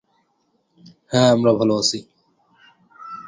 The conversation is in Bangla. হ্যাঁ, আমরা ভালো আছি।